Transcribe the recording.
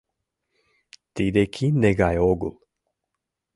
Тиде кинде гай огыл.